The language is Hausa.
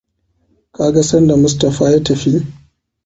Ka ga sanda Mustapha ya tafi?